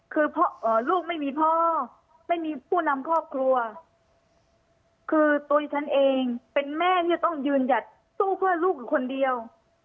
คือลูกไม่มีพ่อไม่มีผู้นำครอบครัวคือตัวฉันเองเป็นแม่ที่จะต้องยืนหยัดสู้เพื่อลูกอยู่คนเดียว